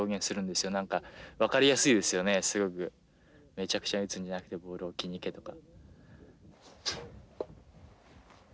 めちゃくちゃに打つんじゃなくてボールを置きに行けとか。